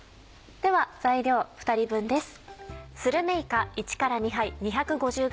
では材料２人分です。